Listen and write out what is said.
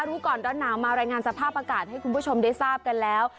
รู้ก่อนร้อนหนาวมารายงานสภาพอากาศให้คุณผู้ชมได้ทราบกันแล้ว